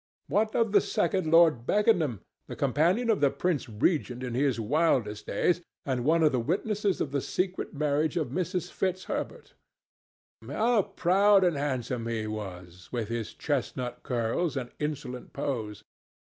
What of the second Lord Beckenham, the companion of the Prince Regent in his wildest days, and one of the witnesses at the secret marriage with Mrs. Fitzherbert? How proud and handsome he was, with his chestnut curls and insolent pose!